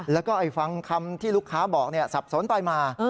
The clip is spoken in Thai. แล้วก็ฟังคำที่ลูกค้าบอกสับสนไปมา